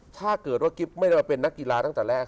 ถ้าเกิดว่ากิ๊บไม่ได้มาเป็นนักกีฬาตั้งแต่แรก